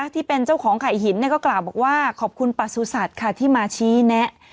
ที่เป็นเจ้าของไข่หินก็กล่าวบอกว่าขอบคุณประสุทธิ์ค่ะที่มาชี้แนะ